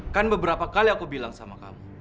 kan beberapa kali aku bilang sama kamu